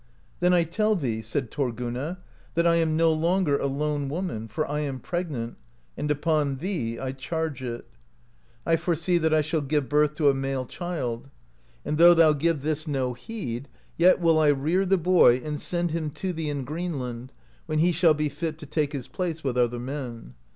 "Then I tell thee," said Thorgunna, "that I am no longer a lone woman, for I am pregnant, and upon thee I charge it. I 40 CHRISTIANITY INTRODUCED INTO GREENLAND foresee that I shall give birth to a male child. And though thou give this no heed, yet will I rear the boy, and send him to thee in Greenland, when he shall be fit to take his place with other men.